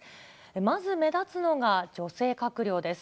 まず目立つのが女性閣僚です。